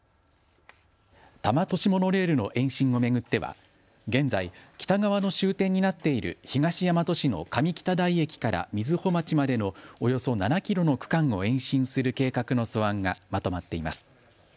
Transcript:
多摩都市モノレールの延伸を巡っては現在北側の終点になっている東大和市の上北台駅から瑞穂町までのおよそ７キロの区間を延伸する計画の素案がまとまっています。